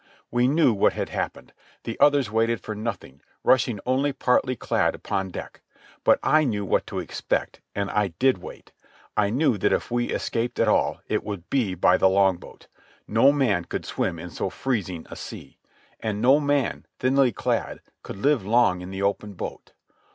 We knew what had happened. The others waited for nothing, rushing only partly clad upon deck. But I knew what to expect, and I did wait. I knew that if we escaped at all, it would be by the longboat. No man could swim in so freezing a sea. And no man, thinly clad, could live long in the open boat.